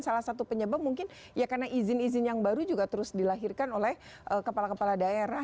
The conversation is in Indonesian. salah satu penyebab mungkin ya karena izin izin yang baru juga terus dilahirkan oleh kepala kepala daerah